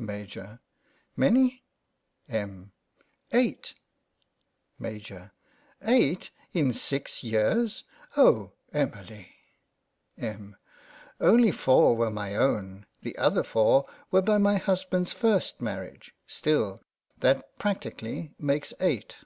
Afaj.: Many? Em,: Eight Maj\ : Eight in six years ! Oh, Emily ! Em, : Only four were my own. The other four were by my husband's first marriage. Still, that practically makes eight.